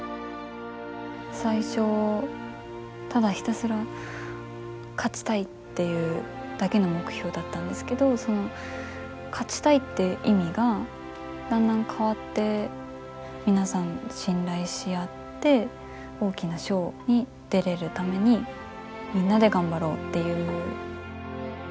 最初ただひたすら勝ちたいっていうだけの目標だったんですけどその勝ちたいっていう意味がだんだん変わって皆さん信頼し合って大きな賞に出れるためにみんなで頑張ろうっていう。